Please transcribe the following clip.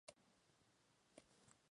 Santo patrón de las fiestas: Sao Caetano